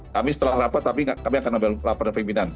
kami setelah rapat tapi kami akan lapor pimpinan